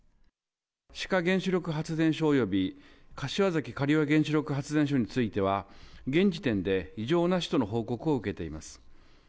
志賀原子力発電所および柏崎刈羽原子力発電所については、現時点で異常なしとの報告を受けています。